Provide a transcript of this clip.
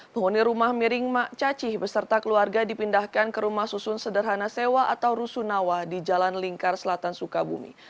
penghuni rumah miring mak cacih beserta keluarga dipindahkan ke rumah susun sederhana sewa atau rusunawa di jalan lingkar selatan sukabumi